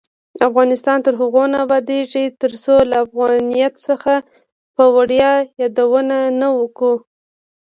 افغانستان تر هغو نه ابادیږي، ترڅو له افغانیت څخه په ویاړ یادونه نه کوو.